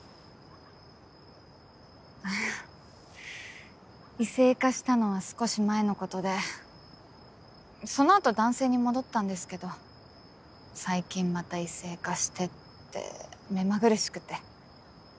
あぁ異性化したのは少し前のことでその後男性に戻ったんですけど最近また異性化してって目まぐるしくて。